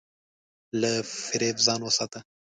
له فریب ځان وساته.